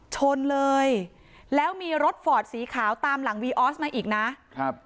ชนเลยแล้วมีรถฟอร์ดสีขาวตามหลังวีออสมาอีกนะครับ